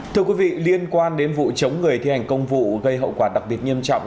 thưa quý vị liên quan đến vụ chống người thi hành công vụ gây hậu quả đặc biệt nghiêm trọng